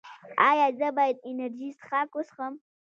ایا زه باید انرژي څښاک وڅښم؟